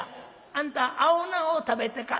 「あんた青菜を食べてか？」。